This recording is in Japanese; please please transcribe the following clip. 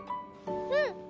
うん！